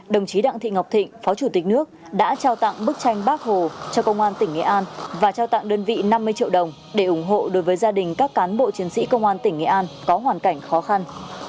đồng chí đặng thị ngọc thịnh phó chủ tịch nước đã trao tặng bức tranh bác hồ cho công an tỉnh nghệ an và trao tặng đơn vị năm mươi triệu đồng để ủng hộ đối với gia đình các cán bộ chiến sĩ công an tỉnh nghệ an có hoàn cảnh khó khăn